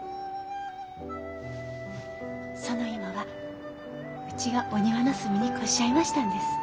その芋はうちがお庭の隅にこしらえましたんです。